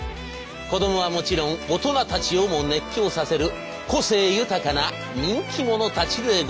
子どもはもちろん大人たちをも熱狂させる個性豊かな人気者たちでございます。